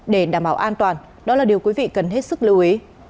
để đảm bảo an toàn đó là điều quý vị cần hết sức lưu ý